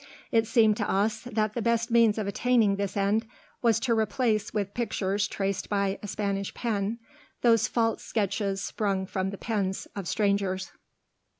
It seemed to us that the best means of attaining this end was to replace with pictures traced by a Spanish pen those false sketches sprung from the pens of strangers."